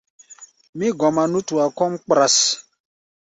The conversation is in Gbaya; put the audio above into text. Mí gɔma nútua kɔ́ʼm kpras.